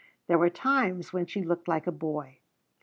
There were times when she looked like a boy.